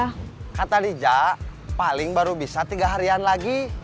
tapi kalau diza paling baru bisa tiga harian lagi